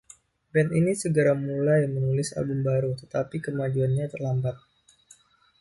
Band ini segera mulai menulis album baru, tetapi kemajuannya lambat.